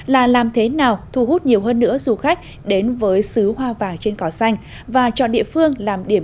là làm thế nào thu hút nhiều hơn nữa du khách đến với xứ hoa vàng trên cỏ xanh và cho địa phương làm điểm